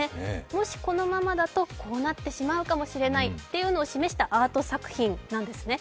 もしこのままだと、こうなってしまうかもしれないというのを示したアート作品なんですね。